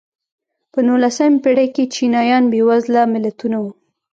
په نولسمې پېړۍ کې چینایان بېوزله ملتونه وو.